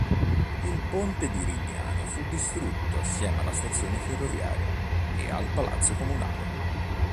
Il ponte di Rignano fu distrutto assieme alla stazione ferroviaria e al Palazzo Comunale.